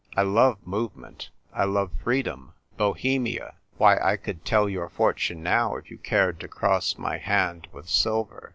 I love movement, I love free dom — Bohemia. Why, I could tell your for tune now if you cared to cross my hand with silver."